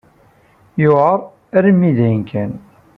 Yewɛeṛ armi d ayen kan.